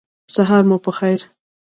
سهار مو پخیر